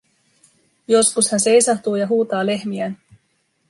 Joskus hän seisahtuu ja huutaa lehmiään.